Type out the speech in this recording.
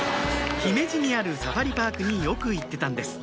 姫路にあるサファリパークによく行ってたんです